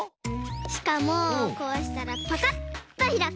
しかもこうしたらパカッとひらく。